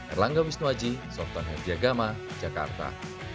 erlangga wisnuaji softan herdiagama jakarta